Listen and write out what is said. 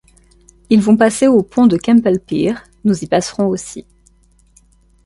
Ils vont passer au pont de Kemple-Pier, nous y passerons aussi.